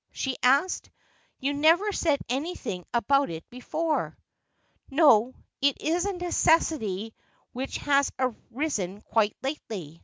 she asked ;' you never said anything about it before.' ' No ; it is a necessity which has arisen quite lately.